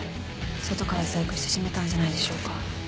外から細工して閉めたんじゃないでしょうか。